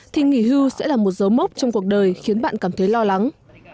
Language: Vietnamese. thì nghỉ hưu sẽ là một dấu mốc trong cuộc đời khiến bạn cảm thấy lo lắng